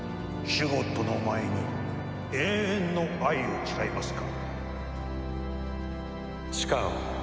シュゴッドの前に永遠の愛を誓いますか？